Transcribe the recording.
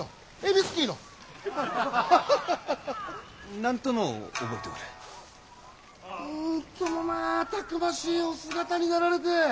なんともまあたくましいお姿になられて！